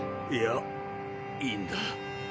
いやいいんだ。